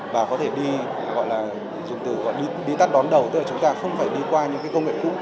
và có thể đi tắt đón đầu tức là chúng ta không phải đi qua những công nghệ cũ